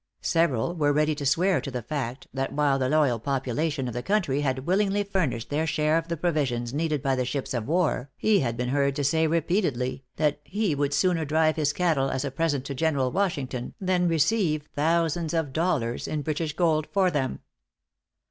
Several were ready to swear to the fact, that while the loyal population of the country had willingly furnished their share of the provisions needed by the ships of war, he had been heard to say repeatedly, that he "_would sooner drive his cattle as a present to General Washington, than receive thousands of dollars in British gold for them.